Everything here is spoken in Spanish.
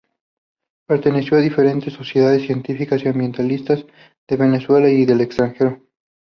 Perteneció a diferentes sociedades científicas y ambientalistas de Venezuela y del extranjero.